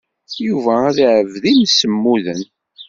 Yuba ur iɛebbed imsemmuden.